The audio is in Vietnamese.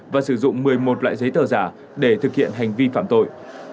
và sử dụng một mươi một loại giấy tờ giả để thực hiện hành vi phạm tội